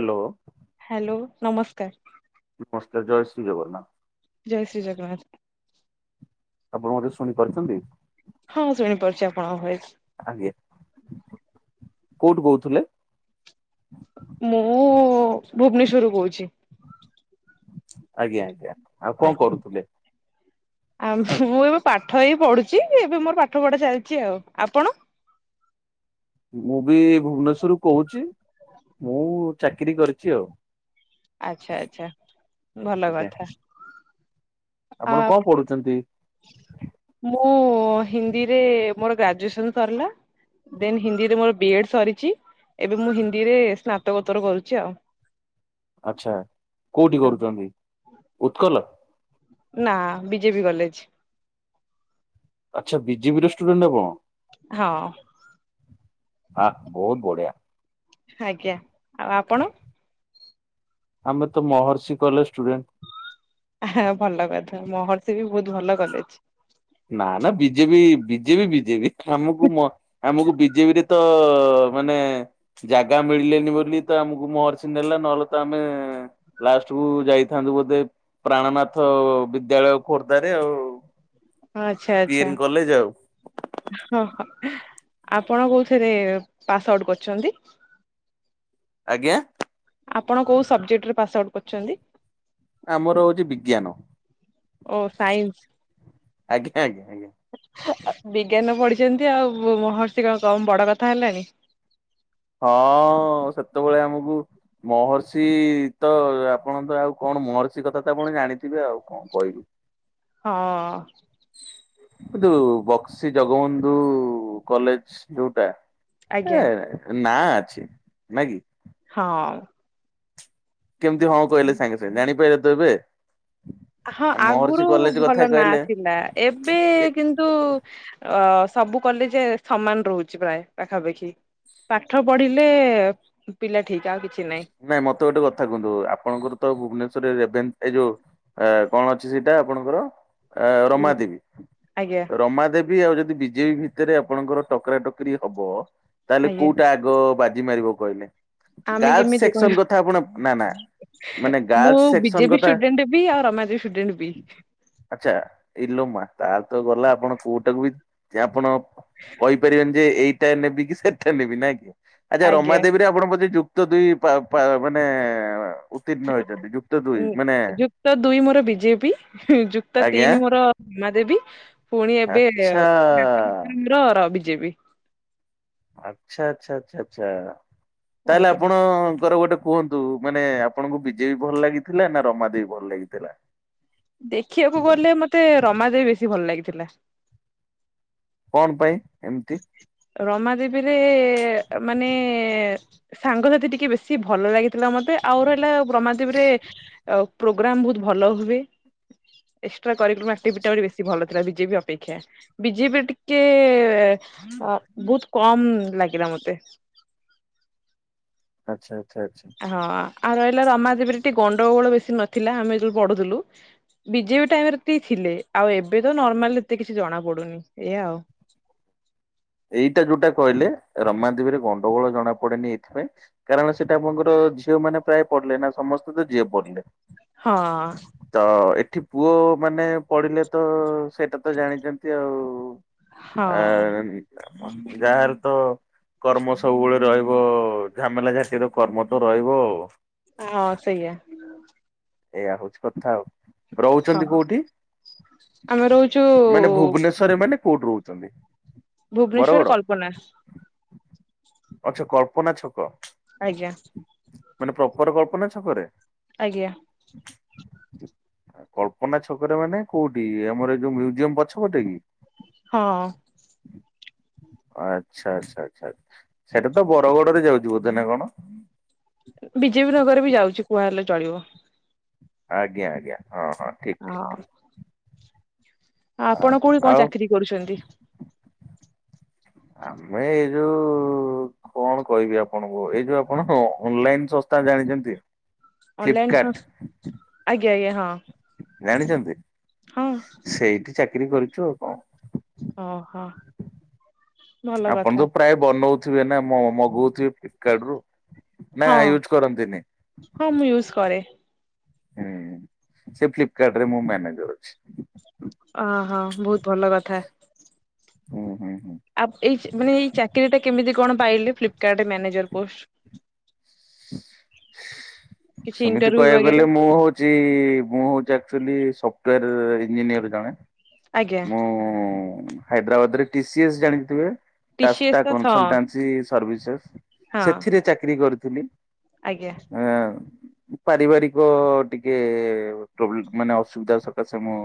Hello. Hello ନମସ୍କାର। ନମସ୍କାର, ଜୟ ଶ୍ରୀ ଜଗନ୍ନାଥ। ଜୟ ଶ୍ରୀ ଜଗନ୍ନାଥ। ଆପଣ ମତେ ଶୁଣି ପାରୁଛନ୍ତି। ହଁ ମୁଁ ଶୁଣିପାରୁଛି ଆପଣଙ୍କ ଭଏସ୍। ଆଜ୍ଞା, କୋଉଠୁ କହୁଥିଲେ। ମୁଁ, ଭୁବନେଶ୍ଵରରୁୁ କହୁଛି। ଆଜ୍ଞା ଆଜ୍ଞା ଆଉ କଣ କରୁଥିଲେ? ଆଉ ମୁଁ ଏବେ ପାଠ ହେଇ ପଢୁଛି ଏବେ ମୋର ପାଠ ପଢା ଚାଲିଛି ଆଉ। ଆପଣ? ମୁଁ ବି ଭୁବନେଶ୍ୱର ରୁ କହୁଛି ମୁଁ ଚାକିରି କରିଛି ଆଉ। ଆଚ୍ଛା, ଆଛା ଭଲ ଆଜ୍ଞା କଥା। ଆ ଆପଣ କଣ ପଢୁଛନ୍ତି? ମୁଁ ହିନ୍ଦୀରେ ମୋର ଗ୍ରାଜୁଏସନ ସରିଲା ଦେନ୍ ହିନ୍ଦୀରେ ମୋର ବି ଏ ଡ ସରିଛି ଏବେ ମୁଁ ହିନ୍ଦୀରେ ସ୍ନାତକୋତ୍ତର କରୁଛି ଆଉ। ଆଚ୍ଛା କୋଉଠି କରୁଛନ୍ତି ଉତ୍କଲ୍ ନା ବିଜେପି କଲେଜ। ଆଚ୍ଛା ବିଜେପି ର ଷ୍ଟୁଡେଣ୍ଟ୍ ଆପଣ? ହଁ। ଆ ବହୁତ ବଢଆ। ଆଜ୍ଞା, ଆଉ ଆପଣ? ଆମେ ତ ମହର୍ଷି କଲେଜ ଷ୍ଟୁଡେଣ୍ଟ। ହା ଭଲ କଥା ମହର୍ଷି ବି ବହୁତ ଭଲ କଲେଜେ। ନା ନା ବିଜେପି ବିଜେପି ବିଜେପି। ଆମକୁ ମ ଆମକୁ ବିଜେପିରେ ତ ମାନେ ଜାଗା ମିଳିଲେନି ବୋଲି ତ ଆମକୁ ମହର୍ଷ ନେଲା ନହେଲେ ତ ଆମେ ଲାଷ୍ଟ କୁ ଯାଇଥାନ୍ତୁ ବୋଧେ ପ୍ରାଣନାଥ ବିଦ୍ୟାଳୟ ଖୋର୍ଦ୍ଧାରେ ଆଉ ଆଚ୍ଛା ପିଏନ୍ ଆଛା କଲେଜ ଆଉ ଅହୋଃ ଆପଣ କୋଉଥିରେ ପାସ୍ ଆଉଟ କରିଚନ୍ତି। ଆଜ୍ଞା ଆପଣ କୋଉଁ ସବଜେକ୍ଟ ରେ ପାସ୍ ଆଉଟ୍ କରିଚନ୍ତି। ଆମର ହଉଛି ବିଜ୍ଞାନ ଓ ସାଇନ୍ସ ଆଜ୍ଞା ଆଜ୍ଞା ଆଜ୍ଞା ଆଃ ଆ ବିଜ୍ଞାନ ପଢିଛନ୍ତି ଆଉ ମହର୍ଷି କଣ କମ୍ ବଡ କଥା ହେଲାଣି। ହଁ ସେତେବେଳେ ଆମକୁ ମହର୍ଷି ତ ଆପଣ ତ ଆଉ କଣ ମହର୍ଷି କଥା ତ ଆପଣ ଜାଣିଥିବେ ଆଉ। କଁ କହିବି। ହଁ କିନ୍ତୁ ବକ୍ସି ଜଗବନ୍ଧୁ କଲେଜ ଯୋଉଟା ଆଜ୍ଞା ଏ ନାଁ ଅଛି ନାଇଁକି। ହଁ କେମତି ହଁ କହିଲେ ସାଙ୍ଗେ ସାଙ୍ଗେ ଜାଣିପାଇଲେ ତ ଏବେ। ହଁ ଆଉ ମହର୍ଷି ଆଗରୁ କଲେଜ କଥା ଭଲ ନାଁ କହିଲେ ଥିଲା ଏବେ ଏ କିନ୍ତୁ ଅ ସବୁ କଲେଜ ସମାନ ରହୁଛି ପ୍ରାୟ ପାଖାପାଖି। ପାଠ ପଢିଲେ ପିଲା ଠିକ ଆଉ କିଛିନାହିଁ ନାଇଁ ମତେ ଗୋଟେ କଥା କୁହନ୍ତୁ ଆପଣଙ୍କର ତ ଭୁବନେଶ୍ଵରରେ ରେଭେନ ଏଇ ଯୋଉଁ ଆ କଣ ଅଛି ସେଇଟା ଆପଣଙ୍କର ଆ ରମାଦେବୀ ଆଜ୍ଞା ରମାଦେବୀ, ଆଉ ଯଦି ବିଜେପି ଭିତରେ ଆପଣଙ୍କର ଟକରାଟକରି ହବ ତାହେଲେ ଆଜ୍ଞା। କୋଉଟା ଆଗ ବାଜି ମାରିବ କହିଲେ ଆମେ ଗାର୍ଲସ କେମିତି କହିବୁ ସେକ୍ସନ କଥା ଆପଣ ନାଁ ନାଁ ମୁଁ ବିଜେପି ଷ୍ଟୁଡେଣ୍ଟ ବି ଆଉ ରମାଦେବୀ ଷ୍ଟୁଡେଣ୍ଟ ବି ଆଚ୍ଛା ଇଲୋମା ତାର ତ ଗଲା ଆପଣ ପୁଅଟାକୁ ବି ଆପଣ କହିପାରିବେନି ଯେ ଏଇଟା ନେବି କି ସେଟା ନେବି ନାଇକି ଆଚ୍ଛା ଆଜ୍ଞା। ରମାଦେବୀରେ ଆପଣ ବୋଧେ ଯୁ କ୍ତ ଦୁଇ ପା ପା ମାନେ ଉତ୍ତୀର୍ଣ୍ଣ ହୋଇଛନ୍ତି ଯୁକ୍ତ ଦୁଇ ମାନେ ଯୁକ୍ତ ଦୁଇ ମୋର ବିଜେପି ଯୁକ୍ତ ଆଜ୍ଞା ତିନି ମୋର ରମାଦେବୀ ପୁଣି ଏବେ ଆଚ୍ଛା। ର ର ବିଜେପି ଆଚ୍ଛା ଆଚ୍ଛା ଆଚ୍ଛା ଆଚ୍ଛା ତାହେଲେ ଆଜ୍ଞା ଆପଣଙ୍କର ଗୋଟେ କୁହନ୍ତୁ ମାନେ ଆପଣଙ୍କୁ ବିଜେବି ଭଲ ଲାଗିଥିଲା ନାଁ ରମାଦେଵୀ ଭଲ ଲାଗିଥିଲା। ଦେଖିବାକୁ ଗଲେ ମତେ ରମା ଦେବ ବେଶୀ ଭଲ ଲାଗିଥିଲା। କଣ ପାଇଁ ଏମତି ରମା ଦେବୀରେ ମାନେ ସାଙ୍ଗସାଥି ଟିକେ ବେଶୀ ଭଲ ଲାଗିଥିଲେ। ଲାଗିଥିଲା ମତେ ଆଉ ରହିଲା ରମାଦେବୀରେ ପ୍ରୋଗ୍ରାମ ବହୁତ ଭଲ ହୁଏ। ଏକ୍ସଟ୍ରା କରିକୁଲମ ଆକଟିଭିଟି ବେଶୀ ଭଲ ଥିଲା ବିଜେପି ଅପେକ୍ଷା ବିଜେପି ଟିକେ ଅ ବହୁତ କମ୍ ଲାଗିଲା ମତେ। ଆଚ୍ଛା ଆଚ୍ଛା ଆଚ୍ଛା ହଁ ଆଉ ରହିଲା ରମାଜବୀରେ ଟିକେ ଗଣ୍ଡଗୋଳ ବେଶୀ ନଥିଲା ଆମେ ଯେବେଳେ ପଢୁଥିଲୁ ବିଜେବି ଟାଇମରେ ଟିକେ ଥିଲେ ଆଉ ଏବେ ତ ନର୍ମାଲ ଏତେ କିଛି ଜଣା ପଡୁନି ଏଇଆ ଆଉ ଏଇଟା ଯୋଉଟା କହିଲେ ରମାଦେବୀରେ ଗଣ୍ଡଗୋଳ ଜଣା ପଡେନି ଏଇଥିପାଇଁ କାରଣ ସେଟା ଆପଣଙ୍କର ଝିଅ ମାନେ ପ୍ରାୟ ପଢିଲେ ନାଁ ସମସ୍ତେ ତ ଝିଅ ପଢିଲେ। ହଁ ତ ଏଠି ପୁଅ ମାନେ ପଢିଲେ ତ ସେଟା ତ ଜାଣିଚନ୍ତି ଆଉ ଆ ହଁ [unintelligible] ଜାହାହେଲେ ତ କର୍ମ ସବୁବେଳେ ରହିବ ଝାମେଲା ଝାଟିର କର୍ମ ତ ରହିବ ଆଉ। ହଁ ସେଇଆା ଏଇଆା ହଉଛି କଥା ଆଉ। ହଁ ରହୁଛନ୍ତି କୋଉଠି ଆମେ ରହୁଛୁ ମାନେ ଭୁବନେଶ୍ ଶରରେ ମାନେ କୋଉଠି ରହୁଛନ୍ତି? ଭୁବନେଶ୍ୱରରେ କଳ୍ପନା। ଆଛା କଳ୍ପନା ଛକ। ଆଜ୍ଞା ମାନେ ପ୍ରପର କଳ୍ପନା ଛକରେ। ଆଜ୍ଞା କଳ୍ପନା ଛକ ରେ ମାନେ କୋଉଠି ଆମର ଏଇ ଯୋଉ ମ୍ୟୁଜିୟମ ପଛ ପଟେ କି? ହଁ ହଁ ଆଚ୍ଛା ଆଚ୍ଛା ଆଚ୍ଛା ସେଟା ତ ବରଗଡ ରେ ଯାଉଛି ବୁଧେ ନା କଣ? ବିଜେପି ନଗର ବି ଯାଉଛି କୁହା ହେଲେ ଚଳିବ। ଆଜ୍ଞା ଆଜ୍ଞା ହଁ ହଁ ଠିକ ହ ଠିକ। ଆପଣ କୋଉଠି କଣ ଆଉ ଚାକିରି କରୁଛନ୍ତି? ଆମେ ଏଇ ଯୋଉ କଣ କହିବି ଆପଣଙ୍କୁ ଏଇ ଯୋଉ ଆପଣ ଅନଲାଇନ ସଂସ୍ଥା ଜାଣିଛନ୍ତି? ଅନଲାଇନ୍ ଫ୍ଲିପକାର୍ଟ ସଂସ୍ ଆଜ୍ଞା ଆଜ୍ଞା ହଁ। ଜାଣିଛନ୍ତି ହଁ ସେଇଠି ଚାକିରି କରିୁଛୁ ଆଉ ଓହୋ କଣ। ଭଲ ଆପଣ କଥା ତ ପ୍ରାୟ ବନଉ ଥିବେ ନା ମଗଉଥିବେ ଫ୍ଲିପକାର୍ଟ ରୁ ନା ହଁ ୟୁଜ କରନ୍ତିନି? ହଁ ମୁଁ ୟୁଜ କରେ। ହୁଁ ସେ ଫ୍ଲିପକାର୍ଟ ରେ ମୁଁ ମ୍ୟାନେଜର ଅଛି। ଅହୋ ବହୁତ ଭଲ କଥା। ହୁଁ ହୁଁ ହୁଁ ଆଉ ଏଇ ମାନେ ଏଇ ଚାକିରିଟା କେମିତି କଣ ପାଇଲେ ଫ୍ଲିପକାର୍ଟରେ ମ୍ୟାନେଜର ପୋଷ୍ଟ? କିଛି ସେମିତି ଇଣ୍ଟରଭ୍ୟୁ କହିବାକୁ ଗଲେ ବଗେରା ମୁଁ ହଉଛି ଚି ମୁଁ ହଉଛି ଆକ୍ଚ୍ୱାଲି ସଫ୍ଟଓୟାର ଇଞ୍ଜିନିୟର ଜଣେ। ଆଜ୍ଞା ମୁଁ ହାଇଦ୍ରାବାଦରେ ଟି ଏସ୍ ଜାଣିଥିବେ? ଟି ସି ଟାସ୍ଟା ଏସ୍ ତ ହଁ କନ୍ସଲଟ ସର୍ଭିର୍ସେସ୍ ହଁ ସେଥିରେ ଚାକିରି କରିଥିଲି। ଆଜ୍ଞା! ପାରିବାରିକ ଟିକେ ପ୍ରୋବ୍ଲେମ ମାନେ ଅସୁବିଧା ସକାଶେ ମୁଁ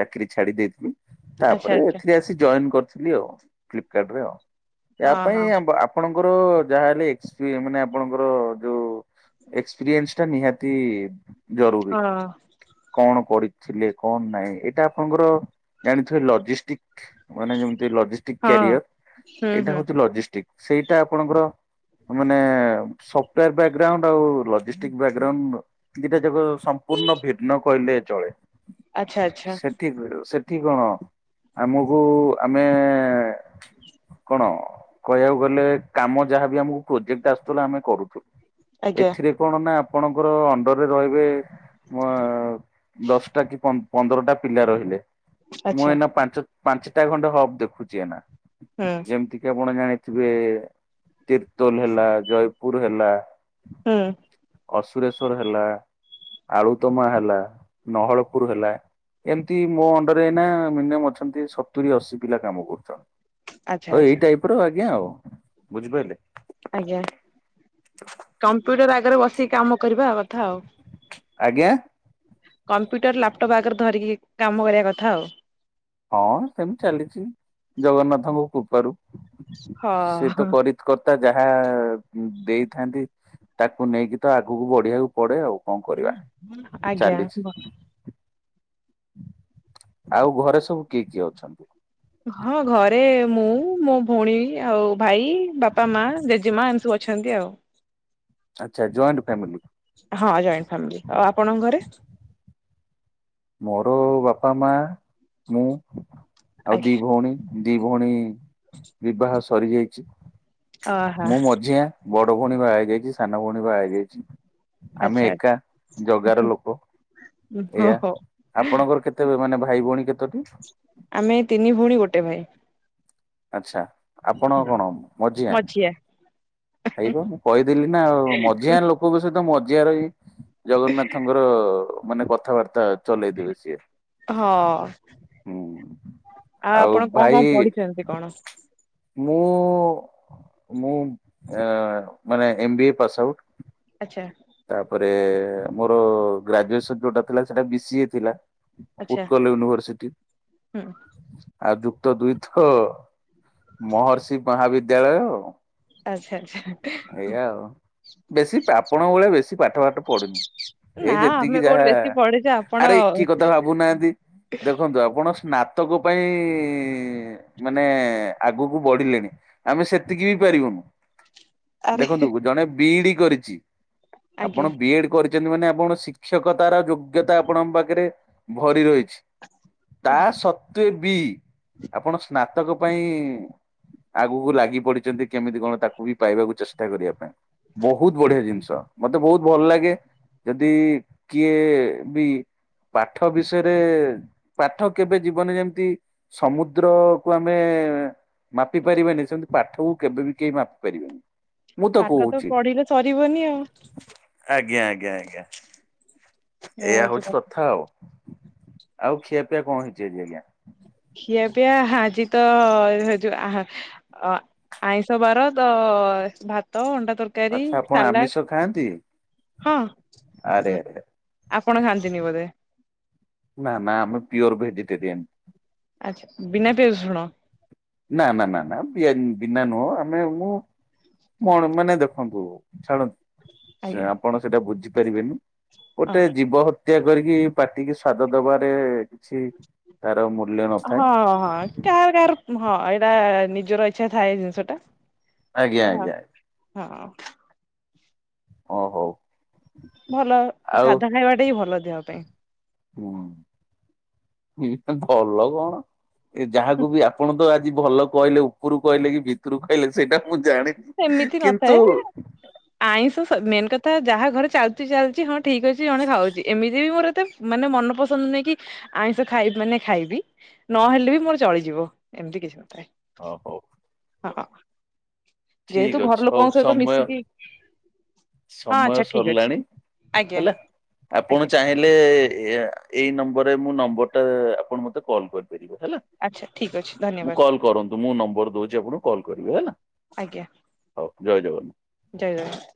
ଚାକିରି ଛାଡ଼ି ଦେଇ ଆଚ୍ଛା ତାପରେ ଆଚ୍ଛା ଏଥିରେ ଆସି ଜଏନ କରିଥିଲି ଆଉ ଫ୍ଲିପକାର୍ଟ ରେ ୟୂ ଓହୋ ପାଇଁ ଆପଣଙ୍କର ଯାହା ହେଲେ ଏକ୍ସେ ମାନେ ଆପଣଙ୍କର ଯୋଉ ଏକ୍ସପିରିଏନ୍ସ ଟା ନିହାତି ଜରୁରୀ ହଁ ହଁ କଣ କରିଥିଲେ କଣ ନାହିଁ ଏଇଟା ଆପଣଙ୍କର ଜାଣିଥିବେ ଲଜିଷ୍ଟିକ ମାନେ ଯେମତି ଲଜିଷ୍ଟିକ ହଁ କ୍ୟାରିୟର ହୁଁ ଏଇଟା ହୁଁ ହଉଛି ଲଜିଷ୍ଟିକ। ସେଇଟା ଆପଣଙ୍କର ମାନେ ସପ୍ଟଓୟାର ବ୍ୟାଗ୍ରାଉଣ୍ଡ ଆଉ ଲଜିଷ୍ଟିକ୍ ବ୍ୟାଗ୍ରାଉଣ୍ଡ ଦିଟା ଯାକ ସମ୍ପୂର୍ଣ୍ଣ ଭିନ୍ନ କହିଲେ ଚଳେ। ଆଚ୍ଛା ଆଚ୍ଛା! ଠିକି କହିଲ ସେଠି କଣ ଆମକୁ ଆମେ କଣ କହିବାକୁ ଗଲେ କାମ ଯାହାବି ଆମକୁ ପ୍ରୋଜେକ୍ଟ ଆସୁଥିଲା ଆମେ କରୁୁଥିଲୁ। ଆଜ୍ଞା ଏଥିରେ କଣ ନା ଆପଣଙ୍କର ଅଣ୍ଡରରେ ରହିବେ ଦଶଟା କି ପ ପନ୍ଦରଟା ପିଲା ରହିଲେ ମୁଁ ଆଚ୍ଛା ଏଇନା ପାଞ୍ଚ ପାଞ୍ଚଟା ଖଣ୍ଡେ ହବ ଦେଖୁଚି ଏଇନା। ହୁଁ। ଯେମିତି କିି ଆପଣ ଜାଣିଥିବେ ତିର୍ତୋଲ ହେଲା ଜୟପୁରୁ ହେଲା ହୁଁ। ଅସୁରେଶ୍ଵର ହେଲା। ଆଳୁତମା ହେଲା ନହଳପୁର ହେଲା ଏମିତି ମୋ ଅଙ୍କର ଏଇନା ମିନିୟମ୍ ଅଛନ୍ତି ସତୁରି ଅଶି ପିଲା କାମ କରୁଛ ଆଚ୍ଛା ତ ଆଚ୍ଛା ଏଇ ଟାଇପିର ପର ଆଜ୍ଞା ଆଉ ବୁଝିପାଇଲେ? ଆଜ୍ଞା କମ୍ପ୍ୟୁଟର ଆଗରେ ବସିକି କାମ କରିବା କଥା ଆଉ। ଆଜ୍ଞା। କମ୍ପ୍ୟୁଟର ଲାପଟପ୍ ଆଗରେ ଧରିକି କାମ କରିବା କଥା ଆଉ। ହଁ ସେମିତି ଚାଲିଚି ଜଗନ୍ନାଥଙ୍କ କୃପାରୁ ସେ ତ ହଁ କରି କତ୍ତା ଯାହା ଦେଇଥାନ୍ତି ତାକୁ ନେଇକି ତ ଆଗକୁ ବଢିବାକୁ ପଡେ ଆଉ କଣ କରିବା ଆଜ୍ଞା ଚାଲିଚି। ଆଉ ଘରେ ସବୁ କିଏ କିଏ ଅଛନ୍ତି? ହଁ ଘରେ ମୁଁ ମୋ ଭଉଣୀ ଆଉ ଭାଇ ବାପା ମା ଜେଜେମା ଏମିତି ସବୁ ଅଛନ୍ତି ଆଉ। ଆଚ୍ଛା ଜଏଣ୍ଟ ଫ୍ୟମିଲି? ହଁ ଜଏଣ୍ଟ ଫ୍ୟାମିଲି ଆଉ ଆପଣଙ୍କ ଘରେ? ମୋର ବାପା ମା ମୁଁ ଆଉ ଦି ଆଜ୍ଞା ଭଉଣୀ। ଦି ଭଉଣୀ ବିବାହ ସରିଯାଇଚି ଅହୋ ମୁଁ ମଝିଆ ବଡ ଭଉଣୀ ବା ହେଇଯାଇଚି ସାନ ଭଉଣୀ ବା ହେଇଯାଇଚି ଆମେ ଆଚ୍ଛା ଏକା ଜଗାର ଲୋକ। ହୋ ଏଇଆ ହଉ ଆପଣଙ୍କର କେତେ ବେ ମାନେ ଭାଇ ଭଉଣୀ କେତୋଟି? ଆମେ ତିନି ଭଉଣୀ ଗୋଟେ ଭାଇ। ଆଛା। ଆପଣ କଣ ମଝିଆ ଖାଇବ ମୁଁ କହିଦେଲିି ନା ଆଉ ମଝିଆ ହଁ ଲୋକ ଙ୍କ ସହିତ ମଜିଆ ରହି ଜଗନ୍ନାଥଙ୍କର ମାନେ କଥାବାର୍ତ୍ତା ଚଲେଇ ଦେବେ ସିଏ। ହଁ ହୁଁ। ଆଉ ଆଉ ଆପଣ କଣ ଭାଇ କଣ ପଢିଚନ୍ତି କଣ? ମୁଁ ମୁଁ ମାନେ ଏମ ବି ଏ ପାସ୍ ଆଉ ଆଚ୍ଛା। ତାପରେ ମୋର ଗ୍ରାଜୁଏସନ ଯୋଉଟା ଥିଲା ସେଟା ବି ସିଏ ଥିଲା। ଆଚ୍ଛା ଉତ୍କଳ ୟୁନିଭର୍ସିଟି। ହୁଁ ଆଉ ଯୁକ୍ତ ଦୁଇଥ ମହର୍ଷି ମହାବିଦ୍ୟାଳୟ। ଆଚ୍ଛା ଆଚ୍ଛା। ଏଇଆ ଆଉ ବେଶୀ ପା ଆପଣଙ୍କ ଭଳିଆ ବେଶୀ ପାଠ ଫାଠ ପଢିନି। ନା ଏଇ ଆମେ ଯେତିକି କୋଉଠି ଯାହା ବେଶୀ ପଢିଛୁ ଆପଣ ଆରେ କି କଥା ଭାବୁନାହାନ୍ତି ଦେଖନ୍ତୁ ଆପଣ ସ୍ନାତକ ପାଇଁ ମାନେ ଆଗକୁ ବଢିଲେଣି ଆମେ ସେତିକି ବି ପାରିବୁନୁ। ଆରେ ଦେଖନ୍ତୁ ଜଣେ ବିଇଡି କରିଚି ଆପଣ ଆଜ୍ଞା ବିଏଡ କରି ଛନ୍ତି ମାନେ ଆପଣ ଶିକ୍ଷକତାର ଯୋଗ୍ୟତା ଆପଣଙ୍କ ପାଖରେ ଭରି ରହିଚି। ତା ସତ୍ବେ ବି ଆପଣ ସ୍ନାତକ ପାଇଁ ଆଗକୁ ଲାଗି ପଡିଛନ୍ତି କେମିତି କଣ ତାକୁ ବି ପାଇବାକୁ ଚେଷ୍ଟା କରିବା ପାଇଁ। ବହୁତ ବଢିଆ ଜିନିଷ ମତେ ବହୁତ ଭଲ ଲାଗେ। ଯଦି କିଏ ବି ପାଠ ବିଷୟରେ ପାଠ କେବେ ଜୀବନି ଯେମିତି ସମୁଦ୍ର କୁ ଆମେ ମାପି ପାରିବାନି ସେମିତି ପାଠକୁ କେବେବି କେହି ମାପ ପି ପାରିବେନି। ମୁଁ ପାଠ ତ କହୁଛି। ପଢିଲେ ସରିବନି ଆଉ। ଆଜ୍ଞା ଆଜ୍ଞା ଆଜ୍ଞା ଏଇଆ ହଉଛି କଥା ଆଉ। ଆଉ ଖିଆ ପିଆ କଣ ହେଇଛି ଆଜି ଆଜ୍ଞା। ଖିଆ ପିଆ ଆଜି ତ ଯୋଉ ଆହା ଅ ଆଇଁଷ ବାର ତ ଭାତ ଅଣ୍ଡା ତର କାରି ଆଚ୍ଛା ଆପଣ ସାଲାଟ ଆମିଷ ଖାଆନ୍ତି ହଁ। ଆରେ ଆରେ ଆପଣ ଖାଆନ୍ତିନି ବୋଧେ। ନା ନା ଆମେ ପିଓର ଭେଜିଟେରିଆନ୍। ଆଚ୍ଛା ବିନା ପିଆଜ ରସୁଣ। ନା ନା ନା ନା ପିଆ ବିନା ନୁହଁ ଆମେ ମୁଁ କଣ ମାନେ ଦେଖନ୍ତୁ ଛାଡ଼ନ୍ତୁ। ସେ ଆଜ୍ଞା ଆପଣ ସେଟା ବୁଝିପାରିବେନି ଅ ଗୋଟେ ଜୀବ ହ ହତ୍ୟା କରିକି ପାଟିିକି ସ୍ଵାଦ ଦବାରେ କିଛି ତାର ମୂଲ୍ୟ ନଥାଏ ହଁ ହଁ କାହାର କାହାର ହଁ ଏଇଟା ନିଜର ଇଛା ଥାଏ ଜିନିଷଟା ଆଜ୍ଞା ଏଇଆ ଆଉ। ଆଜ୍ଞା ହଁ। ଓ ହୋଉ। ଭଲ ସାଧା ଖାଇବାଟା ବି ଭଲ ଦେହ ପାଇଁ। ହୁଁ ଏଇଟା ଭଲ କଣ? ଏ ଯାହାକୁ ବି ଆପଣ ତ ଆଜି ଭଲ କହିଲେ ଉପରୁ କହିଲେ କି ଭିତରୁ କହିଲେ ସେଇଟା ମୁଁ ଜାଣିନି। ହିଁ ଏମିତି ନଥାଏ କିନ୍ତୁ। ଆଇଁଷ ମେନ୍ କଥା ଯାହା ଘରେ ଚାଲିଚି ଚାଲିଛି ହଁ ଠିକ୍ ଅଛି ଜଣେ ଖାଉଛି ଏମିତି ବି ମୋର ଏତେ ମାନେ ମନ ପସନ୍ଦ ନୁହଁକି ଆଇଁଷ ଖାଇବି ମାନେ ଖାଇବି। ନହେଲେ ବି ମୋର ଚଳିଯିବ ଏମିତି କିଛି ନଥାଏ। ଓ ହଉ। ହଁ ଠିକ ଯେହେତୁ ଅଛି ଘର ହଉ ଲୋକଙ୍କ ସହିତ ସମୟ ମିଶିକି ହଁ ସମୟ ଆଚ୍ଛା ଠିକ୍ ଅଛି ସରିଲାଣି ଆଜ୍ଞା ହେଲା ଆପଣ ଆଜ୍ଞା ଚାହିଁଲେ ହେଲେ ଏଇ ନମ୍ବରେ ମୁଁ ନମ୍ବରଟା ଆପଣ ମତେ କଲ୍ କରି କରିପାରିବେ ହେଲା ଆଚ୍ଛା ଠିକ୍ ଅଛି ମୁଁ ଧନ୍ୟବାଦ କଲ କରନ୍ତୁ ମୁଁ ନମ୍ବର ଦଉଛି ଆପଣଙ୍କୁ କଲ କରିବେ ହେଲା। ଆଜ୍ଞା ହଉ ଜୟ ଜଗନ୍ନାଥ। ଜୟ ଜଗନ୍ନାଥ।